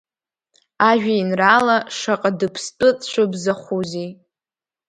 Ажәеинраала Шаҟа дыԥстәы цәыбзахәузеи!